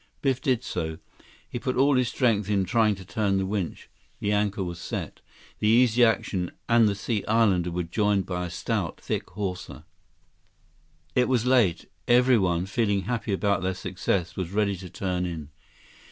Biff did so. He put all his strength into trying to turn the winch. The anchor was set. The Easy Action and the Sea Islander were joined by a stout, thick hawser. 164 It was late. Everyone, feeling happy about their success, was ready to turn in.